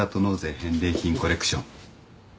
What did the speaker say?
返礼品コレクション。